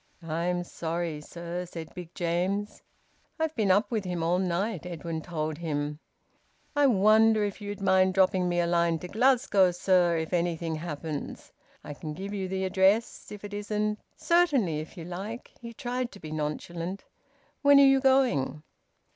"I'm sorry, sir," said Big James. "I've been up with him all night," Edwin told him. "I wonder if you'd mind dropping me a line to Glasgow, sir, if anything happens. I can give you the address. If it isn't " "Certainly, if you like." He tried to be nonchalant "When are you going?"